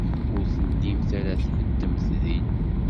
Ur tellimt ara tbeddemt din.